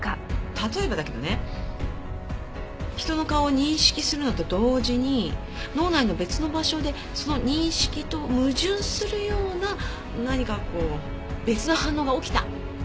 例えばだけどね人の顔を認識するのと同時に脳内の別の場所でその認識と矛盾するような何かこう別の反応が起きたとか。